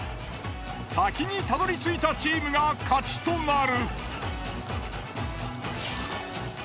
先にたどりついたチームが勝ちとなる。